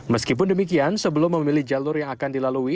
meskipun demikian sebelum memilih jalur yang akan dilalui